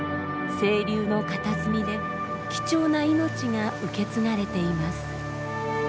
清流の片隅で貴重な命が受け継がれています。